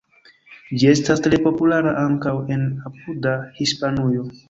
Ĝi estas tre populara ankaŭ en apuda Hispanujo.